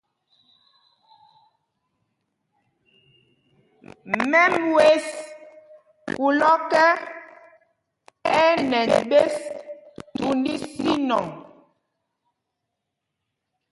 Mɛm wes kūl ɔ́kɛ, ɛ́ ɛ́ nɛnj ɓes thūnd ísínɔŋ.